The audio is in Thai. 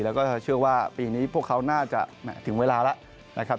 แล้วก็เชื่อว่าปีนี้พวกเขาน่าจะถึงเวลาแล้วนะครับ